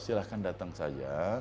silahkan datang saja